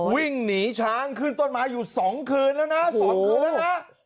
วิ่งหนีช้างขึ้นต้นไม้อยู่๒คืนแล้วนะ๒คืนแล้วนะ